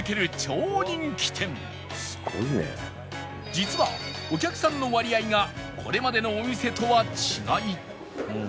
実はお客さんの割合がこれまでのお店とは違い